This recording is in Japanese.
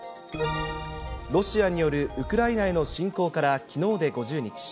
ロシアによるウクライナへの侵攻からきのうで５０日。